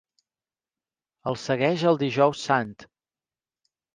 El segueix el Dijous Sant.